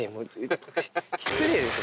失礼ですよ。